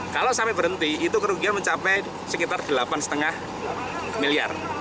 kalau sampai berhenti itu kerugian mencapai sekitar delapan lima miliar